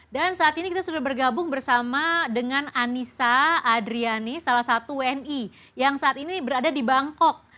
dan saat ini kita sudah bergabung bersama dengan anissa adriani salah satu wni yang saat ini berada di bangkok